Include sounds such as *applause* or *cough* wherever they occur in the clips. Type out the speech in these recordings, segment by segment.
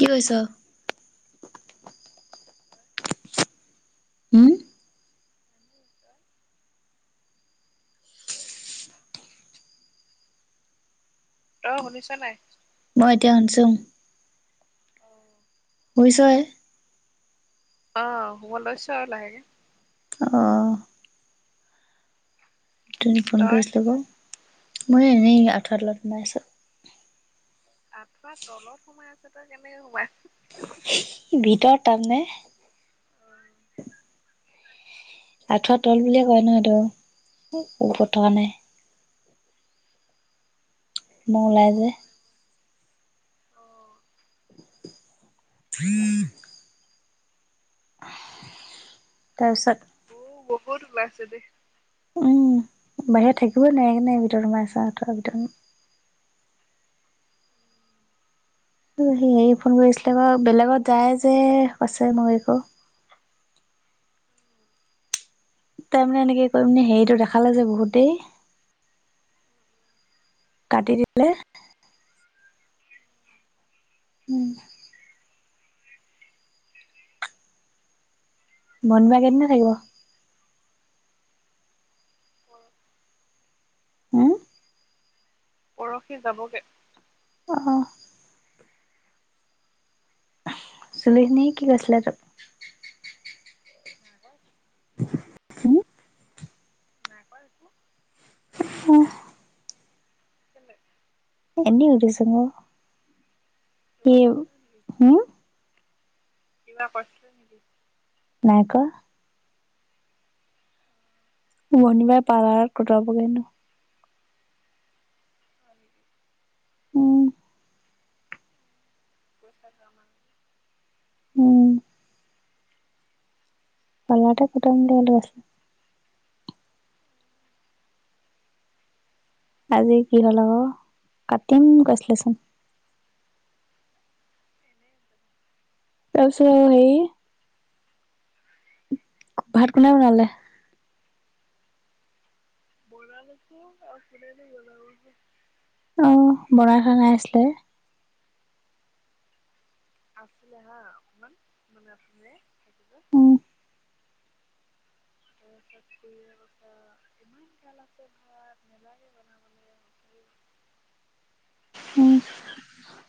কি কৰিছ? উম! *inaudible* অ, শুনিছা নাই? মই এতিয়া শুনিচুং। শুইছই অ, শুব লৈছোঁ আৰু লাহেকে। অঁ! উথনি ফোন তই? কৰিছিলোঁ ক! মই এনেই আঁঠুৱা তলত সোমাই আছোঁ। আঠুৱা তলত সোমাই আছ? তই কেনেকে সোমাই ভিতৰত তাৰ মানে। অ, আঠুৱা তল বুলিয়ে কয় নহ এইটো, ওপৰত থকা নাই। ম'হ ওলাই যে। অঁ! *unintelligible* তাৰপিছত মহ বহুত ওলাইছে দে। উম বাহিৰত থাকিবই নোৱাৰি, সেইকাৰণে ভিতৰত সোমাই আছোঁ, আঁঠুৱাৰ ভিতৰত। স হেৰি ফোন কৰিছিলে ক বেলেগত যায় যে কৈছে ময়ুৰিকো। তাৰ মানে এনেকে কৰি মানে হেৰিটো দেখালে যে বহুতেই। কাটি দিলে। উম। মনমা কেইদিন হে থাকিব? হুম। পৰসি যাবগে। অ অ। চুলিখিনি কি হৈছিলে তোৰ। আগত। নাইকল। কেলে। এনে সুধিছোঁঅ কিবা হি কৈছিলো নেকি উম। কিবা কষ্ট নেকি? নাই কোৱা। ভনিবাই পাৰ্লাৰত কটাবগৈনো। উম। কৈছে যোৱা মান। উম। কলাটা কটমেইটো। আজি কি হ'ল আকৌ কাটিম কৈছিলেচোন। এনে তাৰপিছত হেৰী। ভাত কোনে বনালে? বনাইলৈছো আৰু কোনে নো বনাব হয়। অ', বনাই থোৱা নাইআছিলে। আছিলে হা অকমান অকমান আছিলে। উম। তাৰ পিছত খুৰীয়ে কৈছে ইমান গ'ল আছে ভাত নেলাগে বনাবলে। উম।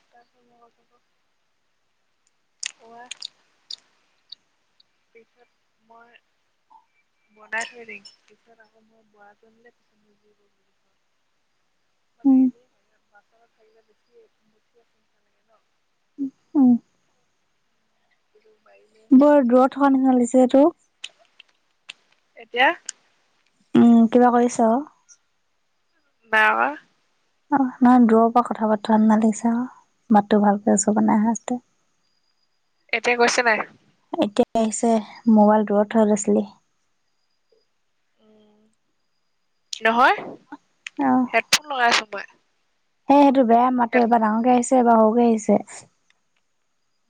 কোৱা। পিছত মই। বনাই থৈ দিং পিছত আকৌ মোৰ বোৱা টো আহিলে। মানে উম এনে ভাত থাকিলে বেছি বেছি লাগ ন। উম দিব পাইবি। বৰ দূৰত থকা নিচিনা লাগিছে এইটো। এতিয়া। উম, কিবা কৰিছ?। বাহ। অ', নহয় দূৰৰ পৰা কথা পাতি থকা নিচিনা লাগিছে আৰু মাতটো ভালকে ওচৰৰ পৰা নাই অহা আছিলে। এতিয়া গৈছে নাই? এতিয়া আহিছে মোবাইল দূৰত থৈ লৈছিলি। উম, কি হয় হেডফোন লগাই চ ত ই। অ সেই সেইটো বেয়া মাতো এবাৰ ডাঙৰকে আহিছে এবাৰ সৰুকে আহিছে।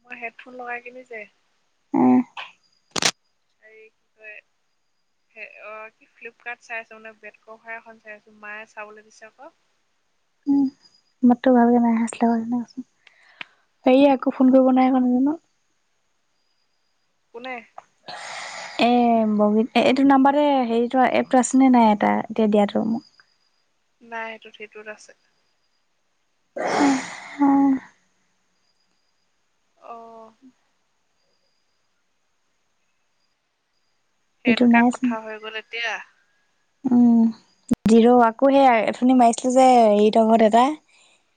মই হেডফোন লগাই কিনি যে। এ হেৰী কি কয়। অ', কি ফ্লিপকাৰ্ট চাই আছো মানে বেট কভাৰ এখন চাই আছো মায়ে চাবলৈ দিছে ক। মাত টো ভাল যে নাই অহা আছিলে ক সেই কাৰণে ক। সেই আকৌ ফোন কৰিব নাইকোৱা নেকি ন'- কোনে? এ বগীত এইটো নাম্বাৰতে হেৰি এপটো আছে নে নাই তাৰ এতিয়া দিয়াতো মোক? নাই সেইটো সিটোত আছে। অঁ, অঁ- অঁ, - এইটো সেনকা নাইচোন কথা হৈ গ'ল এতিয়া- উম, জিৰো আকৌ সেই অথনী মাৰিছিলো যে হেৰীত ঘৰত এটা-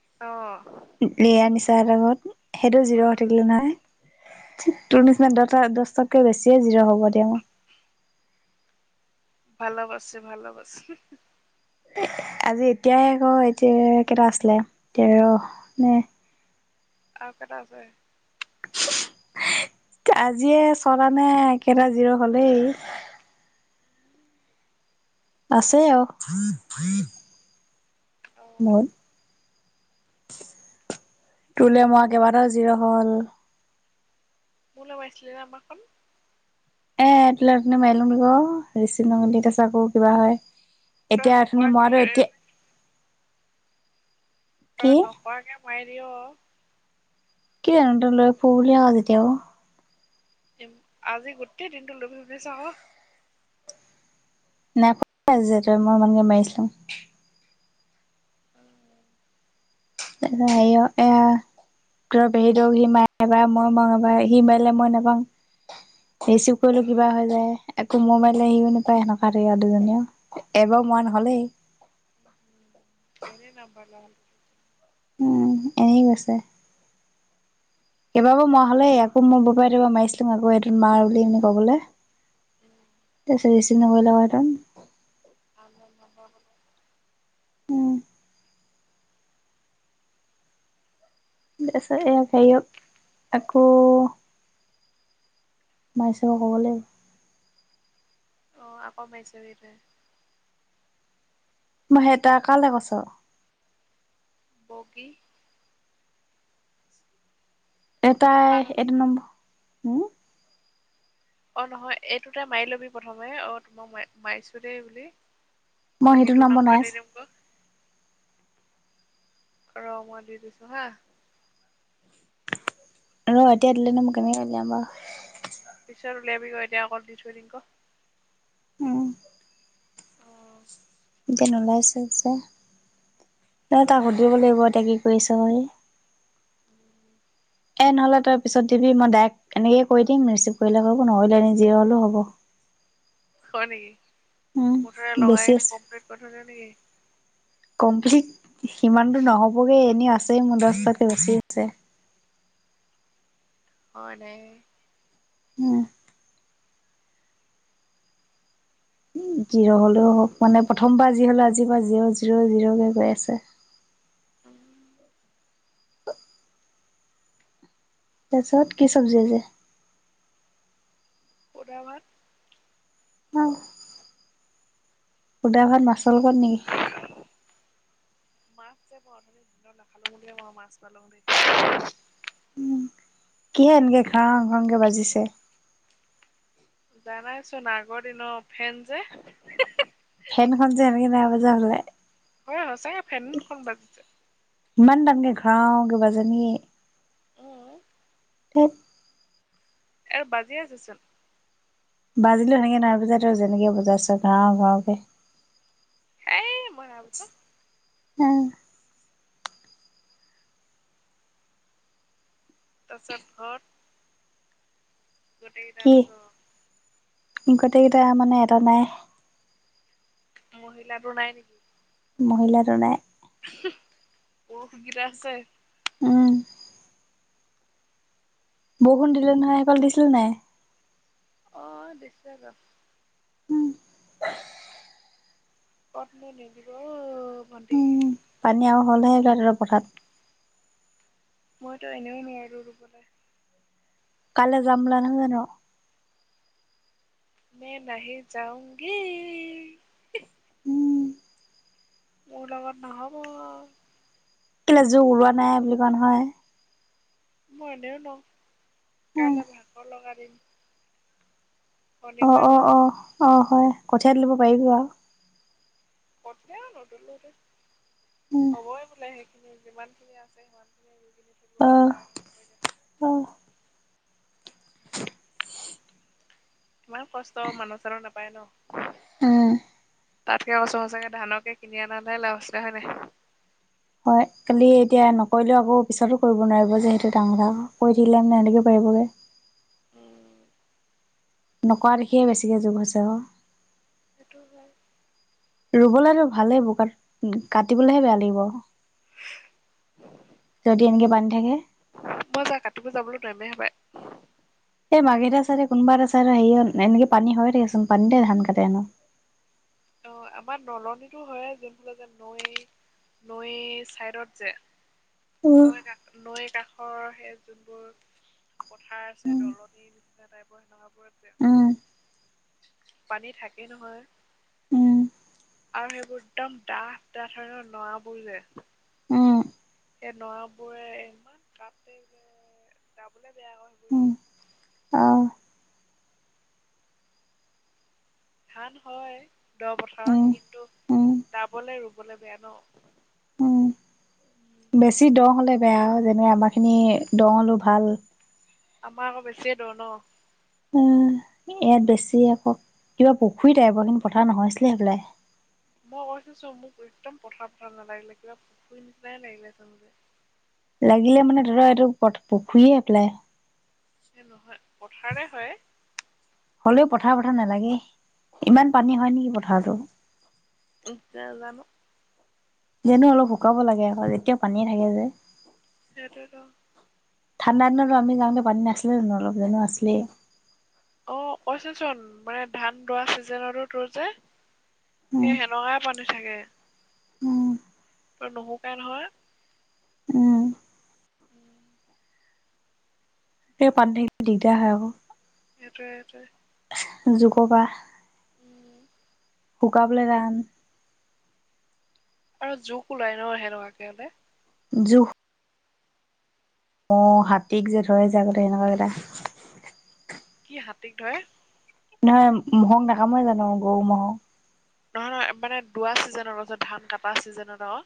অঁ, এয়া নিছা হঁতৰ ঘৰত সেইটো জিৰ' অ'। হৈ থাকিলে নাই- তোৰ নিচিনা দহটা দহটাতকৈ বেছিয়ে জিৰ' হ'ব এতিয়া মো- ভালবাছে ভালবাছ- আজি এতিয়াই আকৌ এতিয়া কেইটা আছিলে টেৰ নে- আৰু কেইটা আছে? আজিয়ে ছয়টা নে কেইটা জিৰ হলেই। আছে আৰু- অ'। মোৰ, তোলে মৰা কেইবাটাও জিৰ' হল। মোৰলে মাৰিছিলি না ইমানখন? এ তোলে অথনি মাৰিলোঁ তোক ৰিচিভ নকৰিলি তাৰ পিছত আকৌ কিবা হয়। তই এতিয়া অথনি নকৰাকে মৰাটো এ এতিয়া- কি তই নকৱাকে মাৰি দিঅ। *unintelligible* আজি গোটেই দিনটো লুব লুবি চা ক। নাই খোৱা যে তই, মই ইমানকে মাৰিছিলোঁ। উ। তাৰপিছত হাৰি অ এয়া। তহঁতৰ পেহীদৌ সি মাৰে এবাৰ মই মৰো এবাৰ সি মাৰিলে মই নাপাং। ৰিচিভ কৰিলো কিবা হৈ যায় একো মই মাৰিলে সিও নাপাই সেনকা হৈ থাকে দুজনীয়। এবাৰ মৰা নহ'লেই। এনেই নাম্বাৰ লোৱা হ'ল। উম এনে গৈছে। কেবাৰো মৰা হ'লে আকো মই বৰপাই ত পা মাৰিছিলোং আকৌ এইটোত মাৰ বুলি পিনি কবলে। *unintelligible* তাৰপিছত ৰিচিভ নকৰিলে তাত- *unintelligible* উম। তাৰপিছত এই হেৰিও আকৌ- বাইচাক কবলে। অ, আকৌ মাৰি চাবি তই। মই সেই টা কালে কৈছো? বগি। ন এটাই কাৰ নাম এইটো নম্বৰ, হো। অ, নহয় এইটোতে মাৰি লবি প্ৰথমে অ, তোমাক মই মাৰিছো দেই বুলি। মই সেইটো নাম্বৰ দি দিম ক। ৰ মই দি দিছো হা। ৰ এতিয়া দিলে নো মই কেনেকে উলিয়াম বাও পিছত উলিয়াবি ৰ এতিয়া অকল দি থৈ দিঙ ক উম। এতিয়া নোলাইছে যে ৰ তাক সুধিব লাগিব এতিয়া কি কৰিছে ক হি এ নহ'লে তই পিছত দিবি মই ডাইৰেক্ট এনেকে কৰি দিঙ ৰিচিভ কৰিলে কৰিব নকৰিলে নি যি হলো হ'ব। হয় নেকি উম মুঠতে লগাই বেছি কিনি আছে কমপ্লিট কৰি থৈ দিয় নেকি কমপ্লিট সিমান টো নহবগে এনেও আছেই মোৰ দহটাতকে বেছিয়ে আছে। হয়নে উম জিৰ' হ'লেও হওক মানে প্ৰথমবাৰ যি হ'লেও আজিৰ পৰা জিৰ' জিৰ' জিৰ'কে গৈ আছে। উওম উ। তাৰপিছত কি চবজি আজি? সুদাভাত। অ সুদা ভাত মাছৰ লগত নেকি? মাছ যে মই অঠনি দিনত নাখালো বুলিয়ে পালোং দেই কিহে এনেকে ঘ্ৰাং ঘ্ৰাংকে বাজিছে? জানাইচোন আগৰ দিনৰ ফেন যে ফেনখন যে এনেকে নাই বজা হবলাই হয় সঁচাকে ফেনখন বাজিছে। ইমান টানকে ঘ্ৰাওকে বাজে নেকি? উম উ সেইট আৰু বাজিয়ে আছে চোন বাজিলো সেনেকে নাই বজা তই যেনেকে বজাইছ ঘ্ৰাও ঘ্ৰাওকে সেই মই নাই বজোৱা উম তাৰপিছত ঘৰত গোটেই কেইটা আছ গোটেই কেইটাই মানে এটা নাই মহিলাটোৰ নাই নেকি মহিলাটো নাই উম হুহ *unintelligible* আছে উম বৰষুণ দিলে নহয় সেফালে দিছিলে নাই অ দিছে *unintelligible* উম কতনো নিদিব অ ভণ্টি উম পানী আৰু হ'লহে হপাই তহঁত পথাত মইতো এনেও নোৱাৰো ৰু ৰুবলে কাইলে যাম বোলা নহয় জানো মে নেহী যাওঁংগী উম মোৰ লগত নহ'ব কেলে জোক ওলোৱা নাই বুলি কোৱা নহয়। মই এনেও নোৱাৰোং কাইলে ভাগৰ লগা দিন অ শনিবাৰ অ অ দিনটো অ হয়। কঠিয়াত লব পাৰিবি বাও। কঠিয়াও নুতুলো দেই, উম হবই বোলে সেইখিনি যিমান খিনি আছে সিমান খিনি। ত অ আ *unintelligible* অ ইমান কষ্ট। মানুহ চানহ নাপায় নহঃ উম তাতকে কৈছোঁ সঁচাকে ধানকে কিনি আনা নে লাভ আছে হয় নাই? হয়। খালি এতিয়া নকৰিলেও আকৌ পিছতো কৰিব নোৱাৰিব যে সেইটো ডাঙ কথা কৈ থাকিলে মানে এনেকেই পাৰিবগে। উম নকৰা দেখিয়ে বেছিকৈ জোক হৈছে ক। উ *unintelligible* ৰুবলেতো ভালে বোকাত কাটিবলেহে বেয়া লাগিব। যদি এনেকে বান্ধি থাকে। মই যা কাটিব যাবলো নোৱামেহে হপায়। এই মঘেৰিতা চাইদে কোনোবা এটা চাইদত পানী হয় থাকেচোন পানীতে ধান কাটে হেনো। অ, আমাৰ নলনীতো হয়েই যোনবোৰ যে নৈ নৈ চাইডত যে উম নৈ কষত নৈৰ কাষ ঘৰৰ সেই যোনবোৰ পথাৰ আছে, দলনি নিচিনা টাইপৰ সেনেকুৱা বোৰ আছে উম পানী থাকেই নহয়। আৰু সেইবোৰ একদম ডাঠ ডাঠ হয় ন, নৰা বোৰ যে। এই নৰাবোৰে ইমান কাটে, দাবলে বেয়া হয় সেইবোৰ যে। অঁ। ধান হয় দহ পথাৰত কিন্তু দাবলে ৰুবলে বেয়া ন। উম বেছি দ হ'লে বেয়া আও, যেনে আমাৰ খিনি দ হ'লো ভাল। আমাৰ আকৌ বেছি দ' নঃ ওম ইয়াত বেছি আক, কিবা পুখুৰী টাইপৰ কিন্তু পথা নহৈছিলে সপলাই। মই কৈছো চ, মোক একদম পথাৰ পথাৰ নালাগিলে কিবা পুখুৰী নিচিনাই লাগিলে চাবলে। লাগিলে মানে ধৰ এইটো প পুখুৰীয়ে হপলাই। এ নহয় পথাৰে হয়। হলেওঁ পথাৰ পথাৰ নালাগে ইমান পানী হয় নেকি পথাৰতো? ওহ নেজানো। যেনো অলপ শুকাব লাগে আকৌ যেতিয়া পানীয়ে থাকে যে। সেইটোৱে ত ঠা‌ণ্ডাদিনটো আমি যাওঁতে পানী নাছিলে জানো অলপ? জানো আছিলেই। অঁ কৈছেচোন মানে ধান দোৱা চিজনতো তোৰ যে সেই হেনেকাই পানী থাকে। ওম। তাত নুশুকাই নহয়। উম, সেই পানী থাকিলে দিগদা হয় আক। সেইটোৱে সেইটোৱে। যোকপা। উম *unintelligible* শুকাবলে টান। আৰু জোক ওলাই ন, সেনেকাকে হলে? জুক- অঁ, হাতীক যে ধৰে যে আগতে সেনকা কেইটা। কি হাতীক ধৰে? নহয় ম'হক নাকামোৱে জানো গৰু ম'হক? নহয় মানে দোৱা ছিজনত *unintelligible* ধান কাটা ছিজনত অ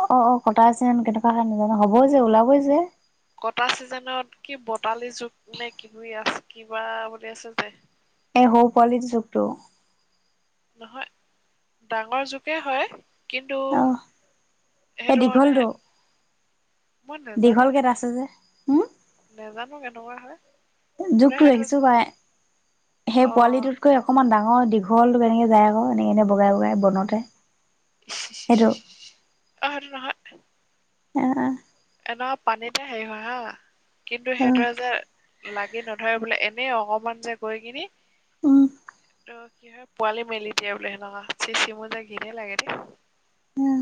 অঁ অঁ কটাইছেন কেনেকুৱা হয় নাজানো হ'বই যে ওলাবই যে। কটা চিজনত কি পটালি জুক নে কিবা আছে কিবা বুলি আছে যে, এই সৰু পোৱালি জুকটো। নহয়, ডাঙৰ জুকে হয়। কিন্তু, অ এই সেইটো মানে, দীঘলটো মই নেজানো দীঘলকে এটা কেনেকুৱা আছে যে, হুম? নেজানো কেনেকুৱা হয়। মানে জুকটো সেইটো ৰাখিছো পাই, সেই অ অ পোৱালিটোতকৈ অকণমান ডাঙৰ দীঘলটোকে এনেকৈ যায় ক এনেকৈ এনেই বগাই বগাই বনতে। সেইটো ই্্ আৰু নহ *unintelligible* অ অ। এনেকা পানীতে হেৰি হয় হা। কিন্তু অ সেইটোৱে যে, লাগি নধৰে বোলে এনেই অকমান যে গৈ কিনি, উম ত কি হয় পোৱালি মেলি দিয়ে বোলে সেনেকুৱা। চিচি মোৰ যে ঘিনেহে লাগে দেই। আহ